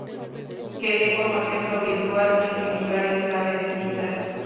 Quede como ejemplo virtual el singular enclave de Sintra.